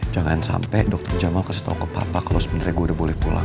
jangan sampai dokter jamal kasih tahu ke papa kalau sebenarnya gue udah boleh pulang